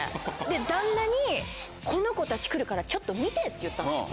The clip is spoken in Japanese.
旦那にこの子たち来るからちょっと見てって言ったんですよ。